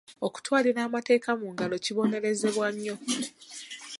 Okutwalira amateeka mu ngalo kibonerezebwa nnyo.